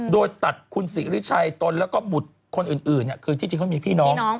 โดยตัดคุณสิริชัยตนแล้วก็บุตรคนอื่นคือที่จริงเขามีพี่น้อง